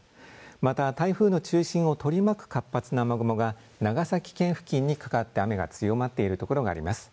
また台風の中心を取り巻く活発な雨雲が長崎県付近にかかって雨が強まっている所があります。